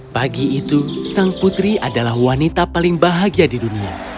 pagi itu sang putri adalah wanita paling bahagia di dunia